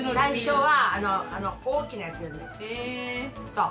そう。